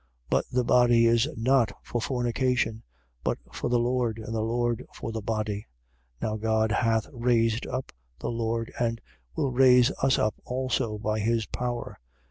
But the body is not for fornication, but for the Lord: and the Lord for the body. 6:14. Now God hath raised up the Lord and will raise us up also by his power.